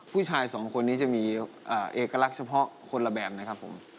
ผู้ชายสองคนนี้จะมีเอกลักษณ์เฉพาะคนละแบบนะครับผม